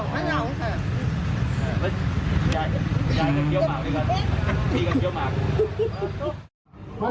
มันเหล่านะ